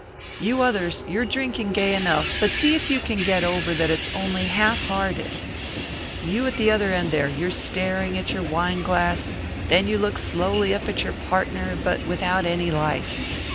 You others, you're drinking gay enough, but see if you can get over that it's only half hearted. You at the other end there you're staring at your wine glass, then you look slowly up at your partner but without any life.